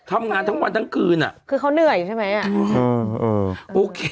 ทำงานทั้งวันทั้งคืนอ่ะคือเขาเหนื่อยใช่ไหมอ่ะโอเค